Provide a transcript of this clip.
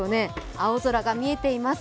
青空が見えています。